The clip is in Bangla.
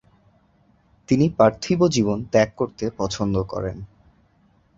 তিনি পার্থিব জীবন ত্যাগ করতে পছন্দ করেন।